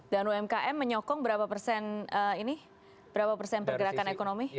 dan umkm menyokong berapa persen ini berapa persen pergerakan ekonomi